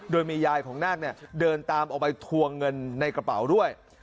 โดยมียายของนาคเดินตามออกไปทวงเงินในกระเป๋าด้วย